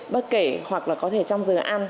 bất kể hoặc là có thể trong giờ